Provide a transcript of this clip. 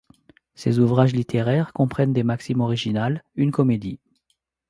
Ses ouvrages littéraires comprennent des maximes originales, une comédie.